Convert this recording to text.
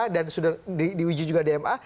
dan sudah diuji juga di ma